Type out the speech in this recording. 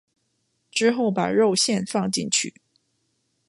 之后把肉馅放进去。